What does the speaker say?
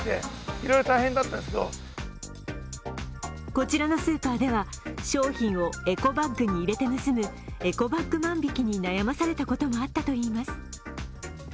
こちらのスーパーでは商品をエコバッグに入れて盗むエコバッグ万引きに悩まされたこともあったといいます。